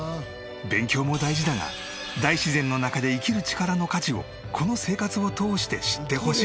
勉強も大事だが大自然の中で生きる力の価値をこの生活を通して知ってほしい。